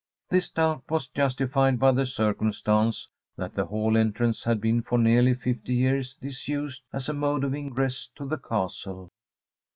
This doubt was justified by the circumstance that the hall entrance had been for nearly fifty years disused as a mode of ingress to the castle.